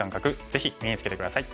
ぜひ身につけて下さい。